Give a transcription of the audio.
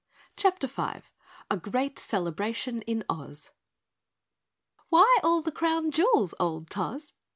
CHAPTER 5 A Great Celebration in Oz "Why all the crown jewels, old Toz?"